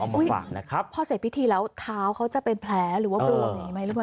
เอามาฝากนะครับพอเสร็จพิธีแล้วท้าวเขาจะเป็นแผลหรือว่า